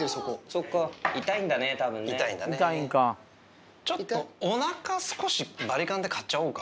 そっか、痛いんだね、たぶんちょっとおなか少しバリカンで刈っちゃおうか。